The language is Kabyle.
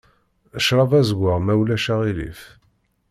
Ccṛab azeggaɣ ma ulac aɣilif.